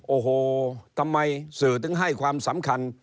โอ้โหทำไมสื่อถึงให้ความสำคัญ